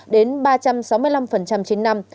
đến ba trăm sáu mươi năm trên năm